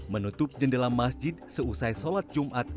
menutup jendela masjid seusai sholat jumat